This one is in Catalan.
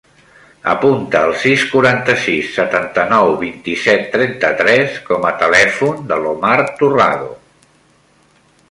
Apunta el sis, quaranta-sis, setanta-nou, vint-i-set, trenta-tres com a telèfon de l'Omar Turrado.